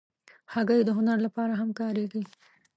هګۍ د هنر لپاره هم کارېږي.